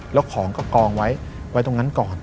แล้วของก็กองไว้ตรงนั้นก่อน